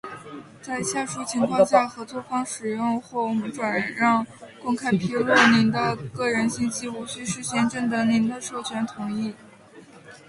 在下述情况下，合作方使用，或我们转让、公开披露您的个人信息无需事先征得您的授权同意：